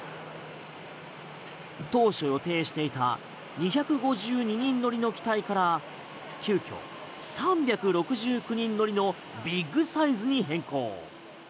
当初予定していた２５２人乗りの機体から急きょ、３６９人乗りのビッグサイズに変更。